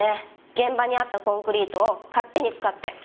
現場にあったコンクリートを勝手に使って。